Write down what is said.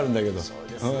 そうですね。